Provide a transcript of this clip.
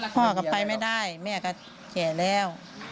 พ่อก็ไปไม่ได้แม่ก็แก่แล้ว